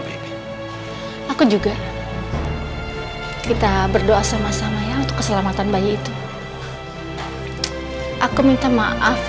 citra dan roy malah sholat berjamaah